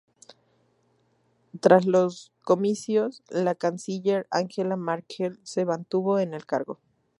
Tras los comicios, la canciller Angela Merkel se mantuvo en el cargo.